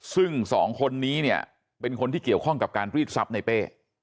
ซึ่งสองคนนี้เนี่ยเป็นคนที่เกี่ยวข้องกับการรีดทรัพย์ในเป้